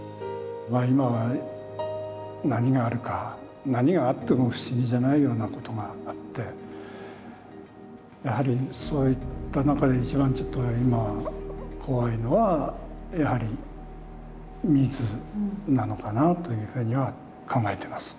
今は何があるか何があっても不思議じゃないようなことがあってやはりそういった中で一番ちょっと今怖いのはやはり水なのかなというふうには考えてます。